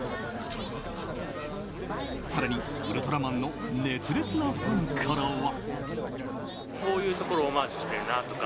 更に、「ウルトラマン」の熱烈なファンからは。